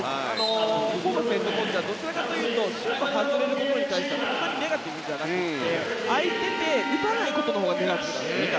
ホーバスヘッドコーチはどちらかというとシュートが外れることに対してはそんなにネガティブじゃなくて空いていても打たないことのほうがネガティブなんです。